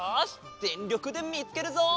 ぜんりょくでみつけるぞ！